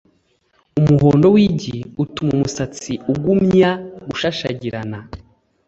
Umuhondo w'igi utuma umusatsi ugumya gushashagirana